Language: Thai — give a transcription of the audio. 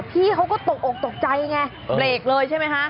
พี่เขาก็ตกอกตกใจไงเบรกเลยใช่ไหมคะ